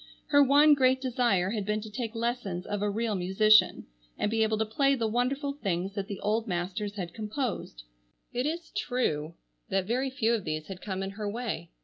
Her one great desire had been to take lessons of a real musician and be able to play the wonderful things that the old masters had composed. It is true that very few of these had come in her way.